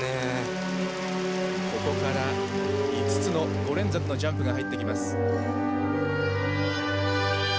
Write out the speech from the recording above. ここから５つの５連続のジャンプが入ってきます。